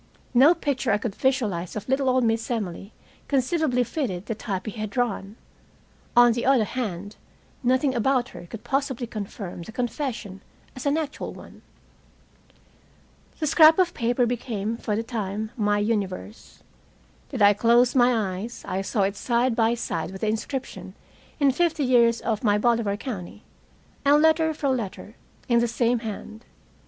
No picture I could visualize of little old Miss Emily conceivably fitted the type he had drawn. On the other hand, nothing about her could possibly confirm the confession as an actual one. The scrap of paper became, for the time, my universe. Did I close my eyes, I saw it side by side with the inscription in "Fifty years of my Bolivar County," and letter for letter, in the same hand.